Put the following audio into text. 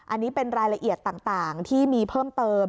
อันนี้เป็นรายละเอียดต่างที่มีเพิ่มเติม